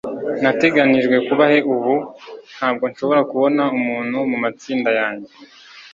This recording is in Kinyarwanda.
Nateganijwe kuba he ubu? Ntabwo nshobora kubona umuntu mumatsinda yanjye.